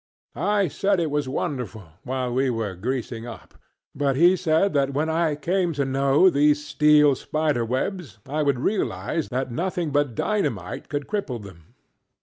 I said it was wonderful, while we were greasing up, but he said that when I came to know these steel spider webs I would realize that nothing but dynamite could cripple them.